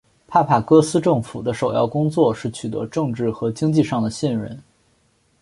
帕帕戈斯政府的首要工作是取得政治和经济上的信任。